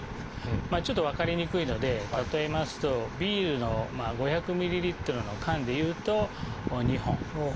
ちょっと分かりにくいので例えますとビールの５００ｍＬの缶でいうと２本。